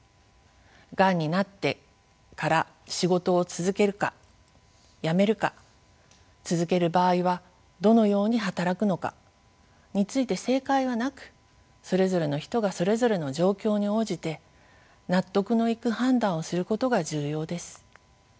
がんになってから仕事を続けるか辞めるか続ける場合はどのように働くのかについて正解はなくそれぞれの人がそれぞれの状況に応じて納得のいく判断をすることが重要です。